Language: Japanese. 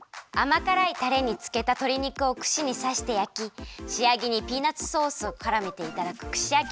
あまからいタレにつけたとり肉をくしにさしてやきしあげにピーナツソースをからめていただくくし